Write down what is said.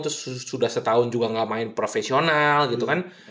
terus sudah setahun juga gak main profesional gitu kan